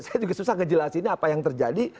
saya juga susah ngejelasin ini apa yang terjadi